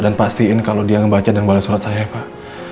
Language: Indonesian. dan pastiin kalau dia ngebaca dan bales surat saya pak